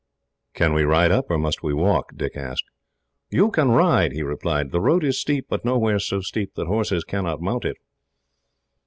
"Can we ride up, or must we walk?" Dick asked. "You can ride," he replied. "The road is steep, but nowhere so steep that horses cannot mount it."